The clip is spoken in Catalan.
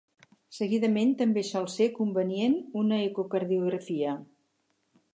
Seguidament també sol ser convenient una ecocardiografia.